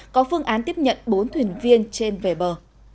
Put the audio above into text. có phương án tiếp nhận bốn thuyền viên trên về bờ